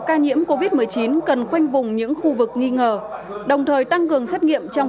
ca nhiễm covid một mươi chín cần khoanh vùng những khu vực nghi ngờ đồng thời tăng cường xét nghiệm trong